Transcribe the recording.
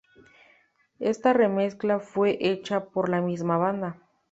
Esta remezcla fue hecha por la misma banda.